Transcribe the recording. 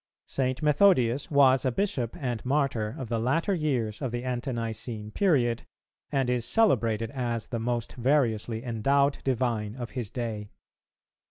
St. Methodius was a Bishop and Martyr of the latter years of the Ante nicene period, and is celebrated as the most variously endowed divine of his day.